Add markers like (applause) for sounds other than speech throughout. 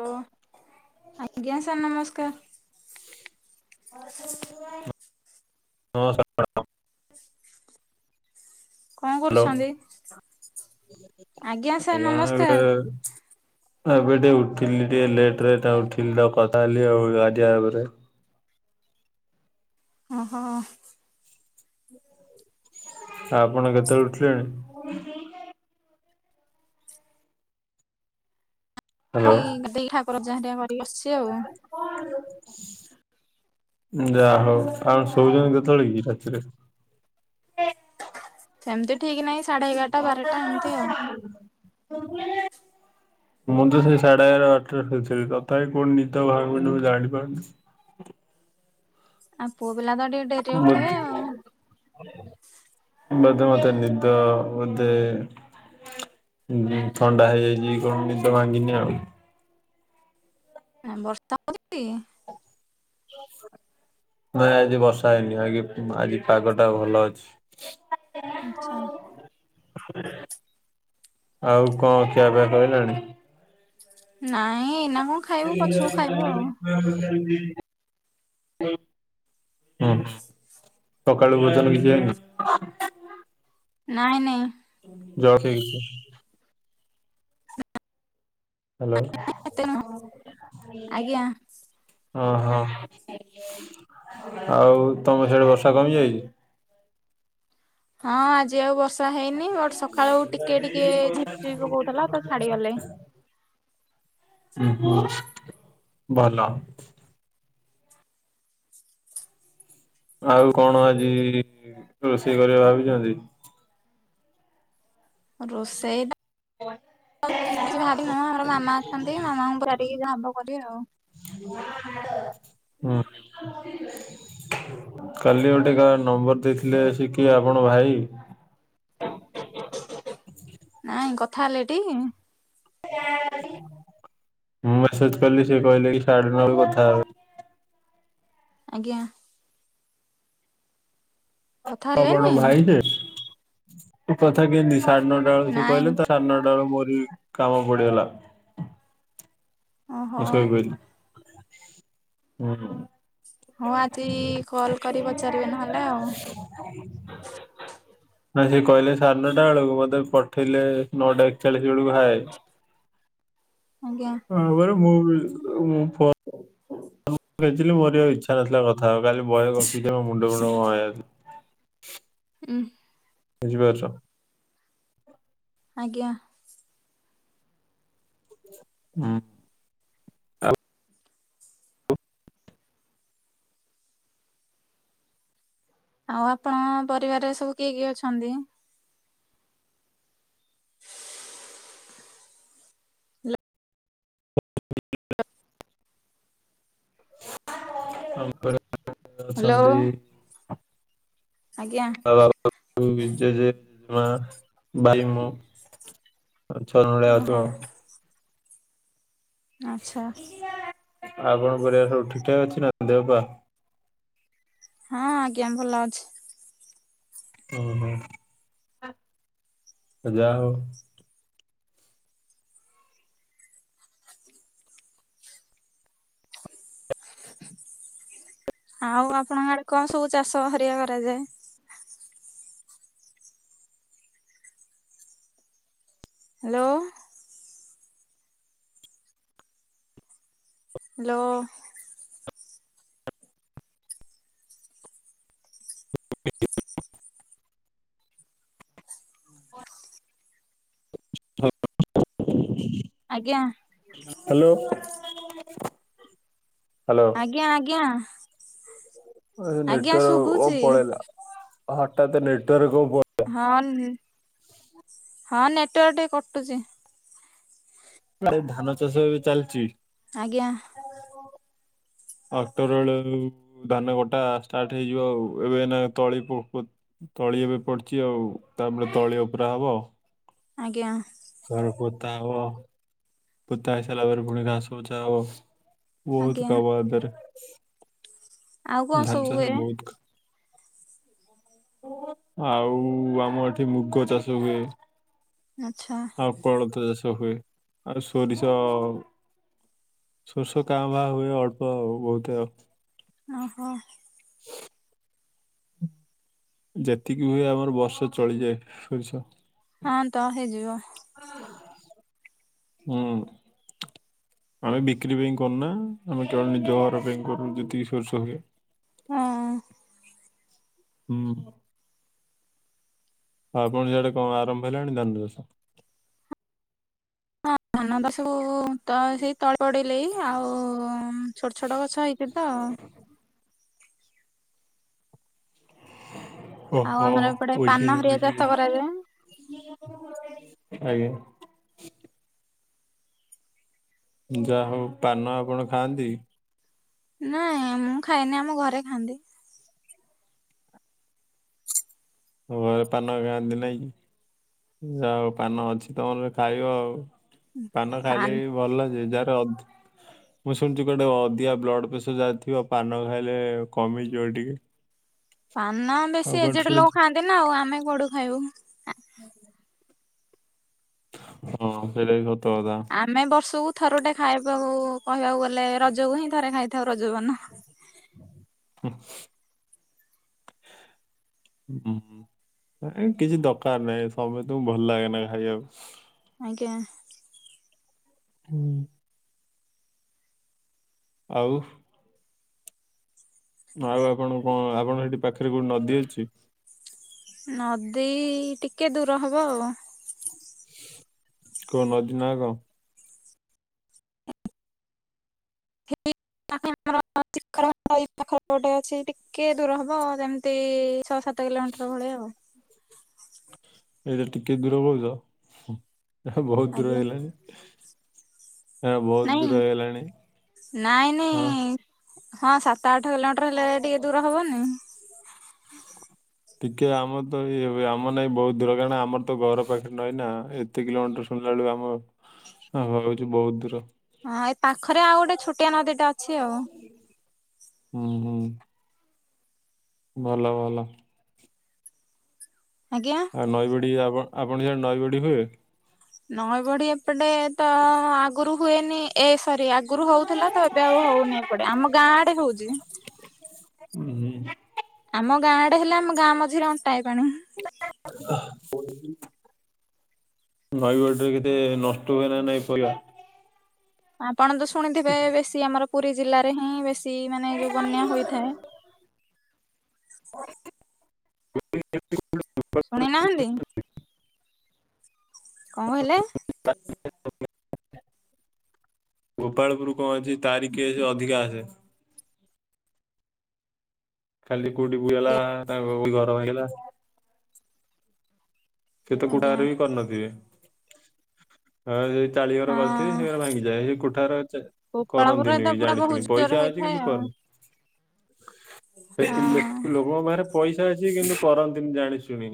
ଓ, ଆଜ୍ଞା ସାର ନମସ୍କାର। (unintelligible) କଣ କରୁଛନ୍ତି। ଆଜ୍ଞା ସାର ନମସ୍କାର। ଏବେ ଟିକେ ଉଠିଲି ଟିକେ ଲେଟରେ ତା ଉଠିଲି ତ କଥା ହେଲି ଆଉ ଗାଡିଆଗରେ। ଓହୋ। ଆପଣ କେତେବେଳୁ ଉଠିଲେଣି? ହ୍ୟାଲୋ (unintelligible) କରିକି ବସିଚି ଆଉ। କଣ ଲୋ? ଯାହା ହଉ ଆଉ ଶୋଉଚନ୍ତି କେତେବେଳେ କି ରାତିରେ। ସେମିତି ଠିକ ନାହିଁ ସାଢେ ଏଗାରଟା ବାରଟା ଏମିତି ଆଉ (unintelligible) ମୁଁ ତ ସେଇ ସାଡେଏଗାର ବାରଟା ଶୋଉଥିବି ତଥାପି ପୁଣି ନିଡ ଭାଙ୍ଗୁନି ମୁଁ ଜାଣିପାରୁନି। ଆଉ ପୁଅ ପିଲା ତ ଟି (unintelligible) ବୋଧେ ମତେ ନିଦ ବୋଧେ ଥଣ୍ଡା ହେଇଯାଇଚି କଣ ନିଦ ଭାଙ୍ଗିନି ଆଉ। ବର୍ଷା ପଡ଼ୁଚି? ନାଇଁ ଆଜି ବର୍ଷା ହେଇନି ଆ କି ଆଜି ପାଗ ଟା ଭଲ ଅଛି। ଆଚ୍ଛା ଆଉ କଣ ଖିଆପିଆ ସଇଲାଣି। ନାଇଁ ଏନା ମ (unintelligible) ହୁଁ ସକାଳୁ ଭୋଜନ କିଛି ହେଇନି? ନାଇଁ ନାଇଁ। ଯ (unintelligible) ହାଲୋ। ଏତେ ନୁହଁ ଆଜ୍ଞା। ହଁ ହଁ, ଆଉ ଆଉ ତମ ସେଡେ ବର୍ଷା କମିଯାଇଚି? ହଁ ଆଜି ଆଉ ବର୍ଷା ହେଇନି ବଟ ସକାଳୁ ଟିକେ ଟିକେ ଝିପି ଝିପ ପକାଉଥିଲା ତ ଛାଡିଗଲଣି। ଉ ହୁଁ ଭଲ। ଆଉ କଣ ଆଜି ରୋଷେଇ କରିବା ଭାବିଚନ୍ତି? ରୋଷେଇ ଟା କିଛି ଭାବିିନୁ ଆମର ମାମା ଅଛନ୍ତି ମାମାଙ୍କୁ (unintelligible) ଭାବ କରିବେ ଆଉ। ହୁଁ। କାଲି ଗୋଟେ କା ନମ୍ବର ଦେଇଥିଲେ ସେ କିଏ ଆପଣ ଭାଇ? ନାଇଁ କଥା ହେଲେ ଟି। ମୁଁ ମେସେଜ କଲି ସେ କହିଲେ କି ସାଢେ ନରୁ କଥା ହେବେ। ଆଜ୍ଞା। କଥା ଆପଣ ହେଲେନି ଭାଇ ସେ କଥା କେମିତି ସାଢେ ନଅଟା ବେଳ ସିଏ ନାଇଁ କହିଲେ ତ ସାଡେନରେ ମୋର ବି କାମ ପଡିଗଲା। ଓହୋ ମୁଁ ସୋଇପଇଲି ହଉ ଆଜି କଲ୍ କରି ହୁଁ। ପଚାରିବେ ନହେଲେ ଆଉ (inaudible) ନା ସେ କହିଲେ ସାଢେ ନଅଟା ବେଳକୁ ମତେ ପଠେଇଲେ ନଅଟା ଏକଚାଳିଶ ବେଳକୁ ହାଏ। ଆଜ୍ଞା। ମୁଁ କହିଲି ମୁଁ (unintelligible) (inaudible) ମୁଁଥିଲି ମୋ ଇଚ୍ଛା ନଥିଲା କଥା ହବାପାଇଁ କାଲି ବହେ ଗପିକି ମୋ ମୁଣ୍ଡ ଫୁଣ୍ଡ କଣ ହେଇଯାଇଥିଲା। ଉ। ବୁଝିପାରୁଚ? ଆଜ୍ଞା। ଉଁ ଆଉ ଆପଣ ପରିବାରରେ ସବୁ କିଏ କିଏ ଅଛନ୍ତି? (unintelligible) ଆମ ପରିବାରେ ହ୍ୟାଲୋ ଅଛନ୍ତି ଆଜ୍ଞା (unintelligible) ମା ଭାଇ ମୁଁ। ଓହୋ (unintelligible) ଆଛା। ଆଉ (unintelligible) ପରିବାର ସବୁ ଠିକ ଠାକ୍ ଅଛି ନା ଦେହ ପା? ହଁ ଆଜ୍ଞା ଭଲ ଅଛି। ଓ ହ ଆ ଯା ହଉ। ଆଉ ଆପଣଙ୍କ ଆଡେ କଣ ସବୁ ଚାଷ ହେରିକା କରାଯାଏ? ହ୍ୟାଲୋ। ହ୍ୟାଲୋ। (unintelligible) ହ (unintelligible) ଆଜ୍ଞା। ହ୍ୟାଲୋ ହ୍ୟାଲୋ ଆଜ୍ଞା ଆଜ୍ଞା ଅ ଆଜ୍ଞା ନେଟୱାର୍କ ଶୁଭୁଛି। ପଳେଇଲା ହଠାତ ନେଟୱାର୍କ କଣ ପ ହଁ ନି ହଁ ନେଟୱାର୍କ ଟିକେ କଟୁଚି। ଧାନ ଚାଷ ଏବେ ଚାଲିଚି। ଆଜ୍ଞା। ଆକ୍ଟୋବର ବେଳକୁ ଧାନ କଟା ଷ୍ଟାର୍ଟ ହେଇଯିବ ଆଉ। ଏବେ ଏୟିନା ତଳିକୁ ଉ ତଳି ଏବେ ପଡିଚି ଆଉ ତାପରେ ତଳି ଉପୁରା ହବ ଆଉ। ଆଜ୍ଞା। ତାପର ପୋତା ହବ। ପୋତା ହେଇସାରିଲା ପରେ ପୁଣି ଘାସ ଉଚ୍ଚା ହବ। ବହୁତ ଆଜ୍ଞା। କାମ ଆ ଦେହରେ। ଆଉ କଣ ଧାନ ସବୁ ଚାସ ହୁଏ? ରେ ବହୁତ ଆଉ ଆମ ଏଠି ମୁଗ ଚାଷ ହୁଏ। ଆଚଛା। ଆଉ କୋଳଥ ଚାଷ ହୁଏ ଆରେ ସୋରିଷ ସୋରିଷ କାଁ ଭା ହୁଏ ଅଳ୍ପ ବହୁତ ଆଉ। ଓହୋ। ଯେତିକି ହୁଏ ଆମର ବର୍ଷ ଚଳିଯାଏ ସୋରିଷ। ହଁ ତ ହେଇଯିବ। ହୁଁ। ଆମେ ବିକ୍ରି ପାଇଁ କରୁନା। ଆମେ କେବଳ ନିଜ ଘର ପାଇଁ କରୁ ଯେତିକି ସୋରିଷ ହୁଏ। ହଁ। ହୁଁ। ହଁ ଆପଣ ସିଆଡେ କଣ ଆରମ୍ଭ ହେଲାଣି ଧାନ ଚାଷ? ହଁ ଧାନ ଚାଷ କୁ ତ ସେଇ ତଳେ ପଡିଲେ ହିଁ ଆଉ ଛୋଟ ଛୋଟ ଗଛ ହେଇଚି ତ। ଆଉ ଓଃହୋ ଆମର ଏପଟେ ପାନ ବୁଝିଲି ହରିଆ ଚାଷ କରାଯାଏ। ବୁଝିଲି। ଆଜ୍ଞା। ଯାହା ହଉ ପାନ ଆପଣ ଖାଆନ୍ତି? ନାଇଁ ମୁଁ ଖାଏନି। ଆମ ଘରେ ଖାଆନ୍ତି। ଆଉ ଘରେ ପାନ ଖାଆନ୍ତି ନାଇଁ କି? ଯା ହଉ ପାନ ଅଛି ତମର ଖାଇବ ଆଉ। ପାନ ଖାଇଲେ ବି ଭଲ ଯେ ଯାହାର ଅଧି ମୁଁ ଶୁଣିଚି କୁଆଡ଼େ ଅଧିକା ବ୍ଲଡ ପ୍ରେସର ଯାହାର ଥିବ ପାନ ଖାଇଲେ କମିଯିବ ଟିକେ। ପାନ ଆଉ ବେଶୀ କୁଆଡେ ଏଜେଡ ଲୋକ ଶୁଣିଛି ଖାଆନ୍ତି ନା ଆଉ, ଆମେ କୋଉଠୁ ଖାଇବୁ? ହଁ ସେଇଟା ବି ସତ କଥା। ଆମେ ବର୍ଷକୁ ଥରଟେ ଖାଇବାକୁ କହିବାକୁ ଗଲେ ରଜକୁ ହିଁ ଥରେ ଖାଇଥାଉ ରଜ ପାନ। ହୁଁ। ହୁଁ କିଛି ଦରକାର ନାହିଁ ସମେସ୍ତଙ୍କୁ ଭଲ ଲାଗେନା ଖାଇବାକୁ। ଆଜ୍ଞା। ହୁଁ। ଆଉ? ଆଉ ଆପଣ କଣ ଆପଣ ସେଠି ପାଖରେ କୋଉଠି ନଦୀ ଅଛି? ନଦୀ ଟିକେ ଦୂର ହବ ଆଉ। କୋଉ ନଦୀ ନା କଣ? (unintelligible) (unintelligible) ଅଛି ଟିକେ ଦୂର ହବ ଯେମିତି ଛଅ ସାତ ସାତ କିଲୋମିଟର ଭଳିଆ ଆଉ। ଏଇଟା ଟିକେ ଦୂର କହୁଚ। ଏ ବହୁତ ଦୂର ଆଜ୍ଞା ହେଇଗଲାଣି। ହଁ ବହୁତ ନାଇଁ ଦୂର ହେଇଗଲାଣି ନାଇଁ ହଁ ନାଇଁ। ହଁ ସାତ ଆଠ କିଲୋମିଟର ହେଲେ ଟିକେ ଦୂର ହବନି। ଟିକେ ଆମର ତ ଇଏ ଆମର ଲାଗି ବହୁତ ଦୂର କାରଣ ଆମର ତ ଘର ପାଖେରେ ନଈ ନା ଏ ଏତେ କିଲୋମିଟର ଶୁଣିଲା ବେଳକୁ ଆମ ଲାଗୁଛି ବହୁତ ଦୂର। ହଁ ଏ ପାଖରେ ଆଉ ଗୋଟେ ଛୋଟିଆ ନଦୀ ଟା ଅଛି ଆଉ। ହୁଁ ହୁଁ। ଭଲ ଭଲ। ଆଜ୍ଞା? ଆଉ ନଈବଢି ଆପ ଆପଣ ସିଆଡେ ନଈବଢି ହୁଏ? ନଈ ବଢି ଏପଟେ ତ ଆଗୁରୁ ହୁଏନି ଏସ୍ ସରି ଆଗରୁ ହଉଥିଲା ତ ଏବେ ଆଉ ହଉନି ଏପଟେ ଆମ ଗାଁ ଆଡେ ହଉଛି। ହୁଁ ହୁଁ। ଆମ ଗାଁ ଆଡେ ହେଲେ ଆମ ଗାଁ ମଝିରେ ଅଣ୍ଟାଏ ପାଣି। (unintelligible) ନଈବଢିରେ କେତେ ନଷ୍ଟ ହୁଏ ନା ନାଇଁ ପରିବା? ଆପଣ ତ ଶୁଣିଥିବେ ବେଶୀ ଆମର ପୁରୀ ଜିଲ୍ଲାରେ ହିଁ ବେଶୀ ମାନେ ଯୋଉ ବନ୍ୟା ହୋଇଥାଏ। (inaudible) (unintelligible) ଶୁଣି ନାହାଁନ୍ତି? କଣ କହିଲା? (unintelligible) ଗୋପାଳପୁରୁ। କହ ଅଛି ତାରିକେ ସେ ଅଧିକା ଆସେ। କାଲି କୋଉଠି ବୁହି ହେଲା ଆଜ୍ଞା ତା କଉଠି ଘର ଭାଙ୍ଗିଲା। ସେ ତ କୁଡା ଆଜ୍ଞା ବି କରିନଥିବେ? ହଁ ସେ ଚାଳିଘର ହଁ କରିଥିବେ ସେ ଘରେ ଭାଙ୍ଗିଯାଏ ସେ କୋଠାଘର ଚେ ଗୋପାଳପୁରରେ କରନ୍ତିନି ତ ବି ପୁରା ଜାଣି ବହୁତ ଶୁଣି ଜୋରରେ ପଇସା ଅଛି ହୋଇଥାଏ କିନ୍ତୁ ଆଉ କର (unintelligible) ଲୋକ ହଁ ଲୋକଙ୍କ ପାଖରେ ପଇସା ଅଛି କିନ୍ତୁ କରନ୍ତିନି ଜାଣି ଶୁଣି।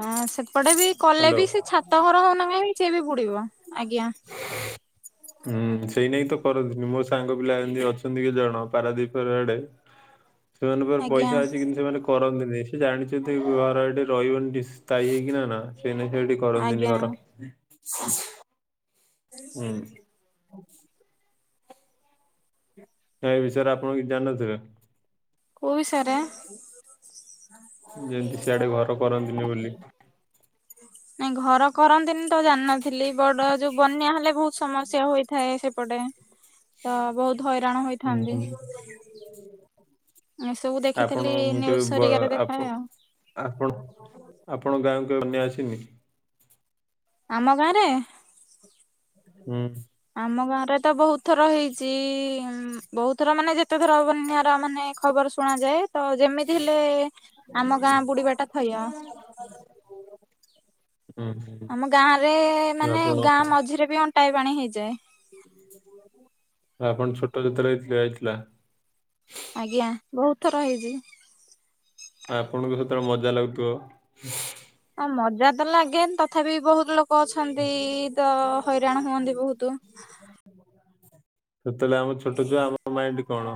ହଁ ସେପଟେ ବି କଲେ ହ୍ୟାଲୋ ବି ସେ ଛାତ ଘର ହଉନା କାହିଁକ ସିଏ ବି ବୁଡିବ ଆଜ୍ଞା। (inaudible) ହୁଁ ସେଇ ନାଗିତ କରନ୍ତିନି ମୋ ସାଙ୍ଗ ପିଲା ଏମିତି ଅଛନ୍ତି କଛି ଜଣ ପାରାଦ୍ୱୀପର ଆଡେ। ସେମାନଙ୍କ ପାଖରେ ଆଜ୍ଞା ପଇସା ଅଛି କିନ୍ତୁ ସେମାନେ କ କରନ୍ତିନି ସେ ଜାଣିଛନ୍ତି ଘର ଏଠି ରହିବନି ଟି ସ୍ଥାୟୀ ହେଇକି ନା ନା ସେନାଗି ସେଠି କରନ୍ତିନି ଆଜ୍ଞା ଘର। ହୁଁ। ୟା ବିଷୟରେ ଆପଣ କିଛି ଜାଣିନଥିବେ? କଉ ବିସୟରେ? ଯେମତି ସିଆଡେ ଘର କରନ୍ତିୁନି ବୋଲି। (inaudible) ନାଇଁ ଘର କରନ୍ତିନି ତ ଜାଣିନଥିଲି ବଡ ଯୋଉ ବନ୍ୟା ହେଲେ ବହୁତ ସମସ୍ୟା ହୋଇଥାଏ ସେପଟେ। ତ ବହୁତ ହଇରାଣ ହୁଁ ହୋଇଥାନ୍ତି। ହୁଁ। ଏସବୁ ଦେଖିଥିଲି ଆପଣ ମୁଁ ନ୍ୟୁଜ କେବେ ବା ହରିକାରେ ଦେଖାଏ ଆପ ଆଉ ଆପଣ ଆପଣ ଗାଁକୁ କେବେ ବନ୍ୟା ଆସିନି? ଆମ ଗାଁରେ? ହୁଁ। ଆମ ଗାଁ ରେ ତ ବହୁତ ଥର ହେଇଛି ବହୁତ ଥର ମାନେ ଯେତେ ଥର ବନ୍ୟାର ମାନେ କ ଖବର ଶୁଣାଯାଏ ତ ଯେମିତି ହେଲେ ଆମ ଗାଁ ବୁଡିବାଟା ଥୟ। ଆ (unintelligible) ଆମ ଗାଁ ରେ ମାନେ ଆପଣ ଗାଁ ମଝିରେ ବି ଅଣ୍ଟାଏ ପାଣି ହେଇଯାଏ। ଆ ଆପଣ ଛୋଟ ଯେତେବେଳେ ହେଇଥିଲା ଯାଇଥିଲା ଆଜ୍ଞା ବହୁତ ଥର ହେଇଛି। ଆଉ ଆପଣଙ୍କୁ ସେତେବେଳେ ମଜା ଲାଗୁଥିବ, ହଁ ମଜା ତ ଲାଗେନ୍ ତଥାପି ବହୁତ ଲୋ କ ଅଛନ୍ତି ତ ହଇରାଣ ହୁଅନ୍ତି ବହୁତୁ। ସେତେବେଳେ ଆମ ଛୋଟ ଛୁଆ ଆମ ମାଇଣ୍ଡ କଣ?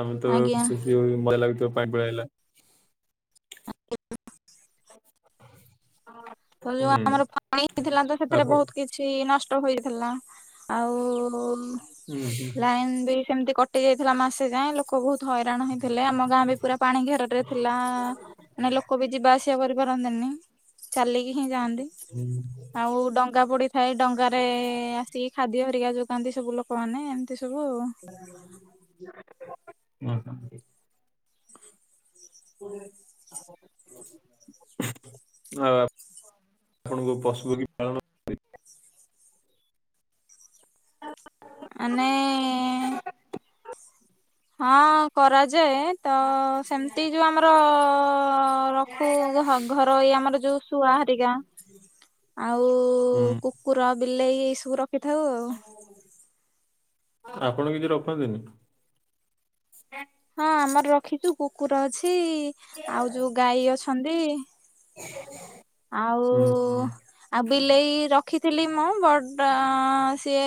ଆମେ ତ ଆଜ୍ଞା। ଖୁସି ହୁଏ ମଜା ଲାଗୁଥିବ ପାଣି ପଳେଇ ଆଇଲା। ଆ (unintelligible) ହଁ। ତ ଯୋଉ ଆମର ପାଣି ଥିଲା ତ ସେଥିରେ ଆପଣ ବହୁତ କିଛି କିଛି ନଷ୍ଟ ହୋଇଥିଲା, ଆଉ ହୁଁ ହୁଁ ଲାଇନ୍ ବି କେମିତି କ କଟି ଯାଇଥିଲା ମାସେ ଯାଏ ଜାଇଲୁ, ଲୋକ ବହୁତ ହଇରାଣ ହେଇଥିଲେ ଆମ ଗାଁରେ ପୁରା ପାଣି ଘେର ଟା ଥିଲା। ମାନେ ଲୋକ ବି ଯିବା ଆସିବା କରିପାରନ୍ତିନି ଚାଲିକି ହିଁ ଯାଆନ୍ତି ହୁଁ ଆଉ ଡଙ୍ଗା ପଡି ଖାଇ ଡଙ୍ଗାରେ ରେ ଆସିକି ଖାଦ୍ୟ ହେରିକା ଯୋଗାନ୍ତି ସବୁ ଲୋକମାନେ ଏମିତି ସବୁ (unintelligible) (unintelligible) (unintelligible) ହୁଁ। (unintelligible) ଆ ଆପଣଙ୍କୁ ପଶୁପକ୍ଷୀ ପାଳନ ଆନେ ଏ ହଁ କରାଯାଏ। ତ ସେମିତି ଯୋଉ ଆମର ଅ ଅ ରଖୁ ଘ ଘରୋଇ ଆମର ଯୋଉ ଶୁଆ ହରିକା ଆଉ ହୁଁ କୁକୁର, ବିଲେଇ ଏ ସବୁ ର ଆପଣ କିଛି ରଖନ୍ତିନି ହଁ ଆମର ରଖିଛୁ କୁକୁର ଅଛି ଆଉ ଯୋଉ ଗାଈ ଅଛନ୍ତି। (unintelligible) ଆଉ ହୁଁ ହୁଁ ଉ ଆଉ ବିଲେଇ ରଖିଥିଲି ମୁଁ ବଟ ଅ ସିଏ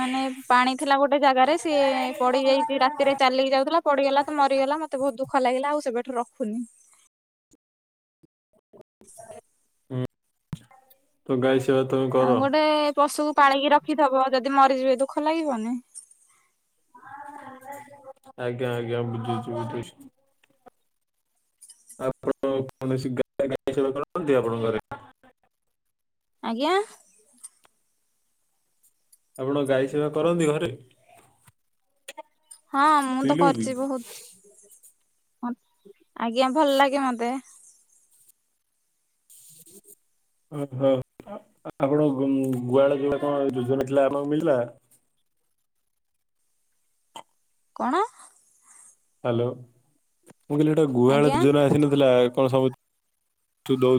ମାନେ ପାଣି ଥିଲା ଗୋଟେ ଜାଗାରେ ସିଏ ପଡି ଯାଇଛି ରାତିରେ ଚାଲିକି ଯାଉଥିଲା ପଡିଗଲା ତ ମରିଗଲା ମୋତେ ବହୁତ ଦୁଖ ଲାଗିଲା ଆଉ ସେବେଠୁ ରଖୁନି। ହୁଁ ତ ଗାଈ ସେବା ତ ଆଉ ଗୋଟେ ପଶୁକୁ ପାଳିକି ରଖିଥିବ ଯଦି ମରିଯିବେ ଦୁଃଖ ଲାଗିବନି। ଆଜ୍ଞା ଆଜ୍ଞା ବୁଝୁଛୁ ବୁଝୁଛୁ। ଆପଣ କୌଣସି ଗାଈ (unintelligible) କରନ୍ତି ଆପଣଙ୍କରେ ଆଜ୍ଞା ଆପଣ ଗାଈ ସେବା କରନ୍ତି ଘରେ? ହଁ ମୁଁ ତ ପିଲଉଚି କରିଛି ବହୁତ୍। (unintelligible) (inaudible) ଆଜ୍ଞା ଭଲ ଲାଗେ ମତେ। ଓ ହୋ। ଆପଣଙ୍କୁ ଗୁଆଳ ଯୋଉ ଆପଣ ଯୋଜନା ଥିଲା ଆପଣଙ୍କୁ ମିଳିଲା? କଣ? ହ୍ୟାଲୋ ମୁଁ କହିଲି ଗୋଟେ ଗୁହାଳ ଆଜ୍ଞା। ଯୋଜନା ଆସିନଥିଲା କଣ ସବୁଉ